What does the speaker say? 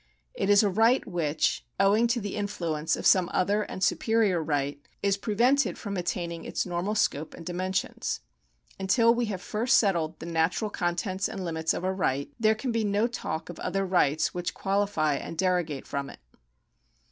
It is a right which, owing to the influence of some other and superior right, is prevented from attaining its normal scope and dimensions. Until we have first settled the natm al contents and limits of a right, there can be no talk of other rights which qualify and derogate from it.